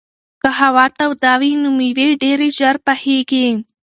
که هوا توده وي نو مېوې ډېرې ژر پخېږي.